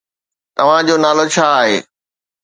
توهان جو نالو ڇا آهي؟